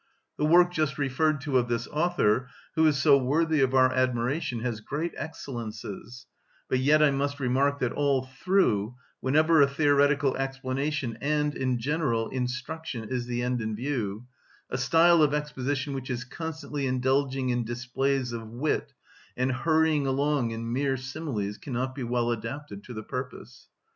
The work just referred to of this author, who is so worthy of our admiration, has great excellences, but yet I must remark that all through, whenever a theoretical explanation and, in general, instruction is the end in view, a style of exposition which is constantly indulging in displays of wit and hurrying along in mere similes cannot be well adapted to the purpose.